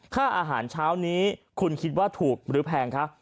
ค่าอาหารเช้านี้คุณคิดว่าถูกหรือแพงคะ